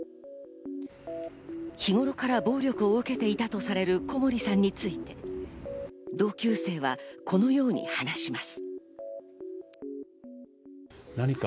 日頃から暴力を受けていたとされる小森さんについて同級生はこのように話します。